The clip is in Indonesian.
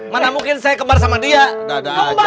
mana mungkin saya kembar sama dia dadah aja